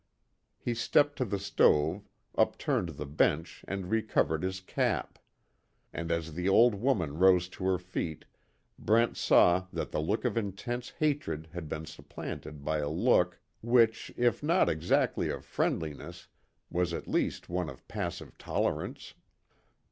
He stepped to the stove, upturned the bench and recovered his cap. And as the old woman rose to her feet, Brent saw that the look of intense hatred had been supplanted by a look, which if not exactly of friendliness, was at least one of passive tolerance.